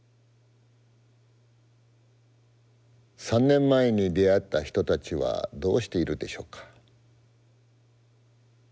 ３年前に出会った人たちはどうしているでしょうか。